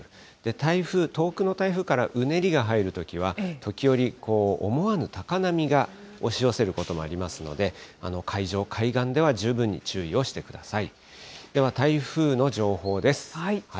台風、遠くの台風からうねりが入るときは、時折、思わぬ高波が押し寄せることもありますので、海上、海岸では十分に注意をしてください。